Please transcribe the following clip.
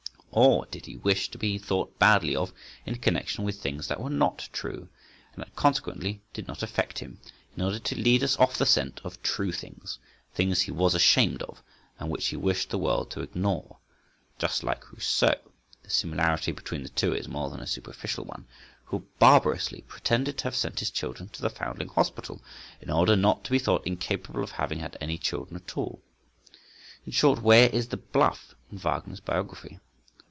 Or did he wish to be thought badly of in connection with things that were not true, and that consequently did not affect him, in order to lead us off the scent of true things, things he was ashamed of and which he wished the world to ignore—just like Rousseau (the similarity between the two is more than a superficial one) who barbarously pretended to have sent his children to the foundling hospital, in order not to be thought incapable of having had any children at all? In short, where is the bluff in Wagner's biography?